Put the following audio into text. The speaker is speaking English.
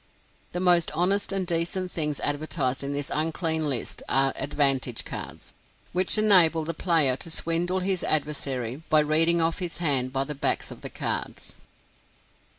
The most honest and decent things advertised in this unclean list are "advantage cards" which enable the player to swindle his adversary by reading off his hand by the backs of the cards.